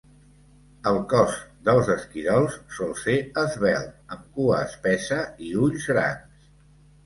El cos dels esquirols sol ser esvelt, amb cua espessa i ulls grans.